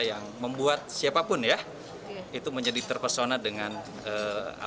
yang membuat siapapun ya itu menjadi terpersona dengan indonesia